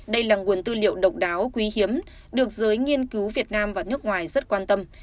đây là nguồn tư liệu độc đáo quý hiếm được giới nghiên cứu việt nam và nước ngoài rất quan tâm